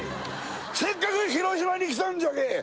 「せっかく広島に来たんじゃけ」